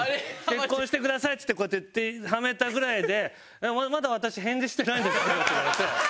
「結婚してください」っつってこうやって手はめたぐらいでまだ私返事してないんですけどって言われて。